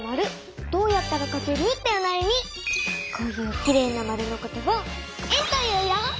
こういうきれいなまるのことを円と言うよ。